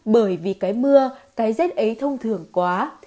bởi vì cái mưa cái rét ấy thông thường quá